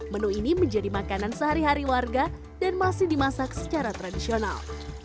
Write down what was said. menu ini menjadi makanan sehari hari warga dan masih dimasak secara tradisional